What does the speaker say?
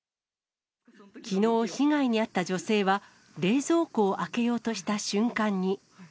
きのう、被害に遭った女性は、冷蔵庫を開けようとした瞬間に。